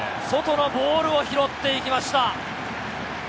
外のボールを拾っていきました。